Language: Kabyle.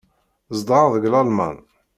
Zedɣeɣ deg Lalman.